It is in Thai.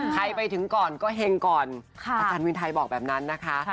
ไปถึงก่อนก็เฮงก่อนอาจารย์วินไทยบอกแบบนั้นนะคะ